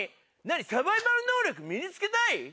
サバイバル能力身に付けたい？